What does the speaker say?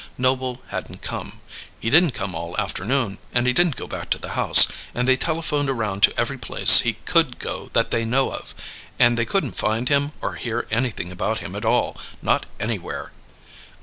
Noble hadn't come. He didn't come all afternoon, and he didn't go back to the house; and they telephoned around to every place he could go that they know of, and they couldn't find him or hear anything about him at all not anywhere."